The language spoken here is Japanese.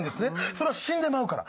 それは死んでまうから。